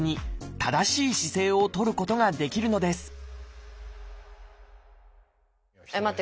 正しい姿勢をとることができるのです待って。